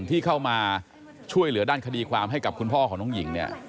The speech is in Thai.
ที่เข้ามาช่วยเหลือด้านคดีความให้กับคุณพ่อของน้องหญิงเนี่ย